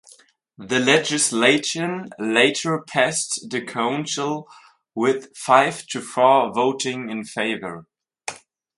The legislation later passed the Council with five to four voting in favor.